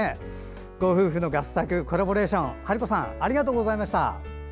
ご夫婦の合作、コラボレーション晴子さんありがとうございました。